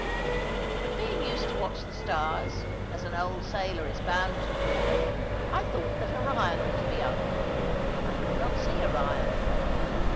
But being used to watch the stars, as an old sailor is bound to do, I thought that Orion ought to be up, and I could not see Orion.